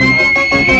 hua mau tahu